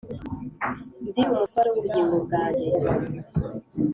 ndi umutware w'ubugingo bwanjye.